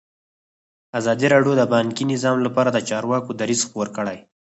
ازادي راډیو د بانکي نظام لپاره د چارواکو دریځ خپور کړی.